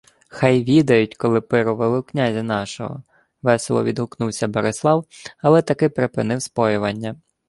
— Хай відають, коли пирували в князя нашого! — весело відгукнувся Борислав, але таки припинив споювання.